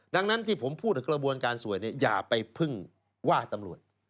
ดังนั้นที่ผมพูดถึงกระบวนการสวยอย่าไปพึ่งว่าตำรวจ